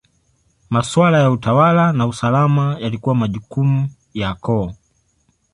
Maswala ya utawala na usalama yalikuwa majukumu ya koo.